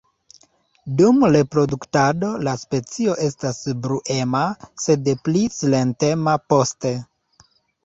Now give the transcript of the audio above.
Dum reproduktado la specio estas bruema, sed pli silentema poste.